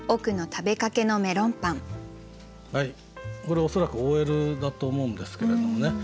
これ恐らくＯＬだと思うんですけれどもね